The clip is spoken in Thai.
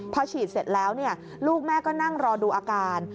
พอฉีดเสร็จแล้วลูกแม่ก็นั่งรอดูอาการ